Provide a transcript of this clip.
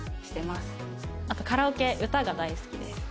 あとカラオケ歌が大好きです。